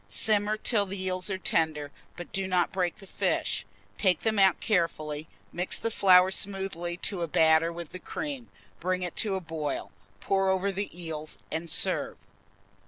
Simmer till the eels are tender, but do not break the fish. Take them out carefully, mix the flour smoothly to a batter with the cream, bring it to a boil, pour over the eels, and serve.